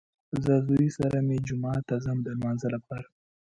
زه زوی سره مې جومات ته ځم د لمانځه لپاره